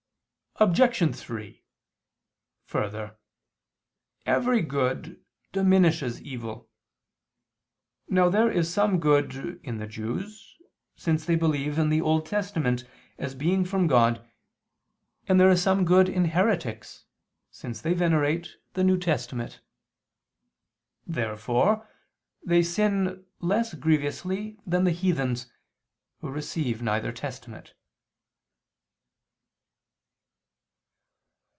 Obj. 3: Further, every good diminishes evil. Now there is some good in the Jews, since they believe in the Old Testament as being from God, and there is some good in heretics, since they venerate the New Testament. Therefore they sin less grievously than heathens, who receive neither Testament.